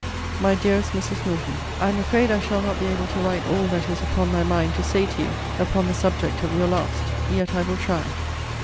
MY DEAREST MRS. NORTON, I am afraid I shall not be able to write all that is upon my mind to say to you upon the subject of your last. Yet I will try.